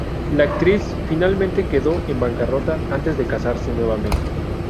La actriz finalmente quedó en bancarrota antes de casarse nuevamente.